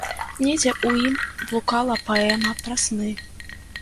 Недзе ў ім блукала паэма пра сны.